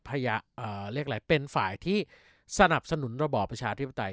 เรียกอะไรเป็นฝ่ายที่สนับสนุนระบอบประชาธิปไตย